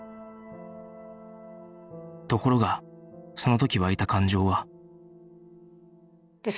ところがその時湧いた感情は